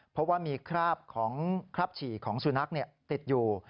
เพราะว่ามีคราบของคราบฉี่ของสุนัขติดอยู่